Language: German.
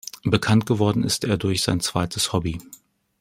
Bekannt geworden ist er durch sein zweites Hobby.